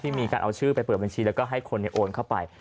มีการเอาชื่อไปเปิดบัญชีแล้วก็ให้คนโอนเข้าไป